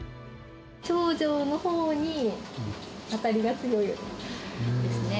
長女のほうに当たりが強いよね。